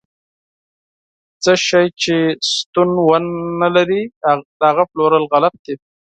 څه شی چې شتون ونه لري، د هغه پلورل غلط دي.